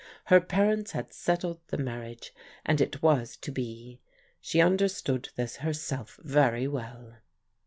Her parents had settled the marriage and it was to be. She understood this herself very well.